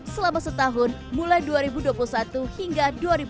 selama setahun mulai dua ribu dua puluh satu hingga dua ribu dua puluh